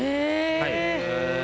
へえ！